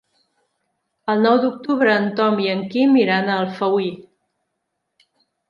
El nou d'octubre en Tom i en Quim iran a Alfauir.